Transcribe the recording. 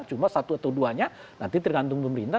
cuma satu atau duanya nanti tergantung pemerintah